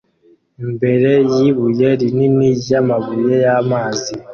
imbere yibuye rinini ryamabuye namazi